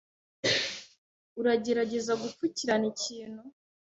Uragerageza gupfukirana ikintu?